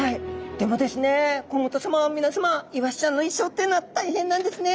でもですね甲本さま皆さまイワシちゃんの一生というのは大変なんですね。